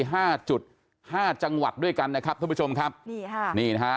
ห้าจุดห้าจังหวัดด้วยกันนะครับท่านผู้ชมครับนี่ค่ะนี่นะฮะ